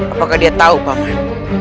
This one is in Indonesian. apakah dia tau paman